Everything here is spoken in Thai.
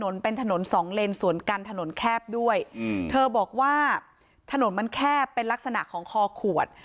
ถนนเป็นถนนสองเลนสวนกันถนนแคบด้วยอืมเธอบอกว่าถนนมันแคบเป็นลักษณะของคอขวด